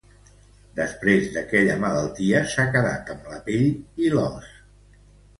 Després d'aquella malaltia s'ha quedat amb la pell i l'os.